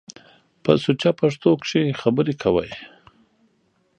په سوچه پښتو کښ خبرې کوٸ۔